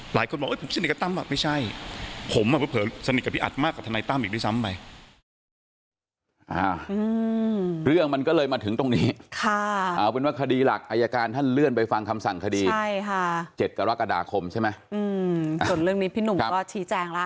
หลายคนบอกผมสนิทกับตั้มไม่ใช่ผมเผลอสนิทกับพี่อัดมากกับทนายตั้มอีกด้วยซ้ำไป